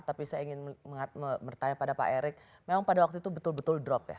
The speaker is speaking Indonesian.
tapi saya ingin bertanya pada pak erick memang pada waktu itu betul betul drop ya